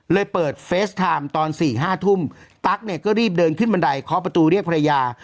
เลยเปิดเฟสไทม์ตอนสี่ห้าทุ่มตั๊กเนี้ยก็รีบเดินขึ้นบันไดขอประตูเรียกพระยา